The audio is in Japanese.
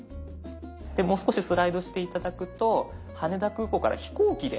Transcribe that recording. もう少しスライドして頂くと羽田空港から飛行機で。